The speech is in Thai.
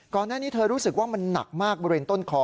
ก่อนหน้านี้เธอรู้สึกว่ามันหนักมากบริเวณต้นคอ